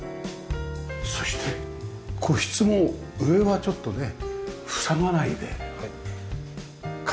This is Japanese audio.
そして個室も上はちょっとね塞がないで開放的ですよね。